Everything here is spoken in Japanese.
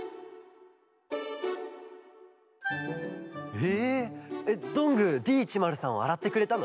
へえどんぐーＤ１０３をあらってくれたの？